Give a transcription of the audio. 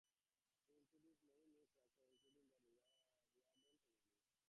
He introduced many new characters, including the Reardon family.